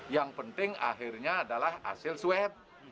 yang penting akhirnya adalah hasil swab